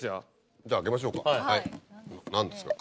じゃあ開けましょうか何ですか？